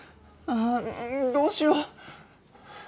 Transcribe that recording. ああどうしよう。